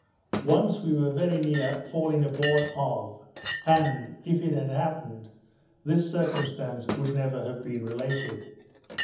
One we were very near falling aboard of, and, if it had happened, this circumstance would never have been related.